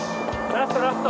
ラストラスト！